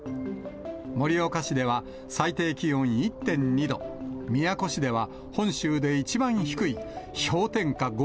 盛岡市では最低気温１．２度、宮古市では本州で一番低い氷点下